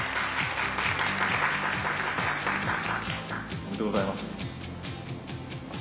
おめでとうございます。